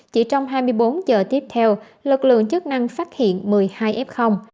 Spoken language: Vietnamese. chỉ trong hai mươi bốn giờ tiếp theo lực lượng chức năng phát hiện một mươi hai f